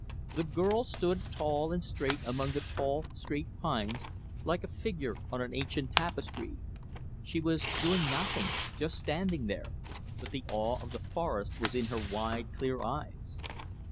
The girl stood tall and straight among the tall, straight pines like a figure on an ancient tapestry. She was doing nothing just standing there but the awe of the forest was in her wide, clear eyes.